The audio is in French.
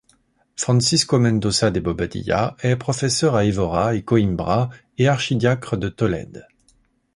Francisco Mendoza de Bobadilla est professeur à Évora et Coimbra et archidiacre de Tolède.